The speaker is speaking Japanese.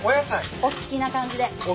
お好きな感じで。